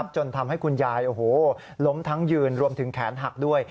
จนทำให้คุณยายล้มทั้งยืนรวมถึงแขนหักด้วย